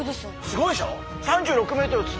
すごいでしょ。